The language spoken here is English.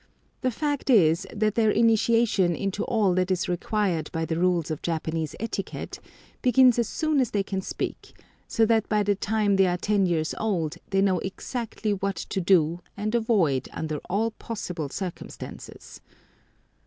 The fact is that their initiation into all that is required by the rules of Japanese etiquette begins as soon as they can speak, so that by the time they are ten years old they know exactly what to do and avoid under all possible circumstances.